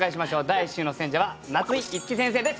第１週の選者は夏井いつき先生です。